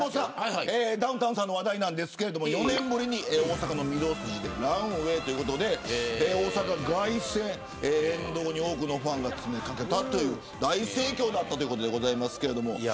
ダウンタウンの話題なんですが４年ぶりに大阪の御堂筋でランウェイということで沿道に多くのファンが詰め掛けたという大盛況だったということですが。